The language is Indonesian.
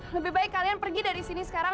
lebih baik kalian pergi dari sini sekarang